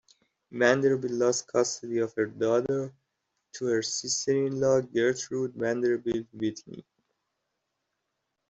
Vanderbilt lost custody of her daughter to her sister-in-law Gertrude Vanderbilt Whitney.